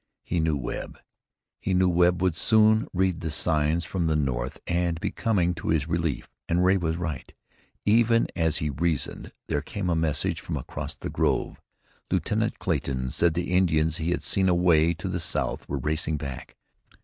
He knew Webb. He knew Webb would soon read the signs from the north and be coming to his relief, and Ray was right. Even as he reasoned there came a message from across the grove. Lieutenant Clayton said the Indians he had seen away to the south were racing back.